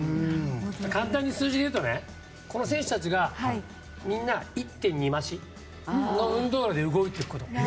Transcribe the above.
簡単に数字でいうとこの選手たちが、みんな１．２増しの運動量で動いていくこと。